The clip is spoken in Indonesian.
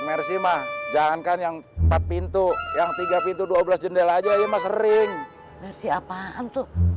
mersi mah jangankan yang empat pintu yang tiga pintu dua belas jendela aja ya mas sering siapa antuh